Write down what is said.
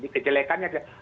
kejelekannya tidak ada